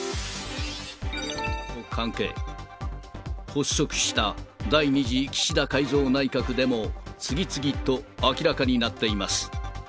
発足した第２次岸田改造内閣でも、次々と明らかになっています。